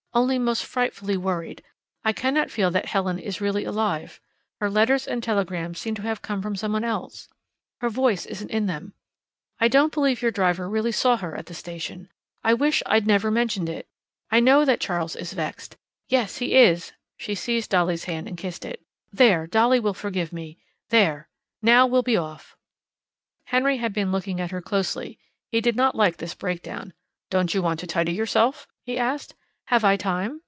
"Only most frightfully worried. I cannot feel that Helen is really alive. Her letters and telegrams seem to have come from someone else. Her voice isn't in them. I don't believe your driver really saw her at the station. I wish I'd never mentioned it. I know that Charles is vexed. Yes, he is " She seized Dolly's hand and kissed it. "There, Dolly will forgive me. There. Now we'll be off." Henry had been looking at her closely. He did not like this breakdown. "Don't you want to tidy yourself?" he asked. "Have I time?"